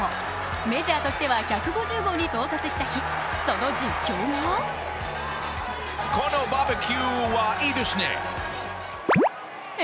メジャーとしては１５０号に到達した日、その実況がえ？